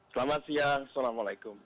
selamat siang assalamualaikum